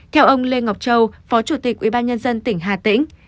theo ông lê ngọc châu phó chủ tịch ubnd tỉnh hà tĩnh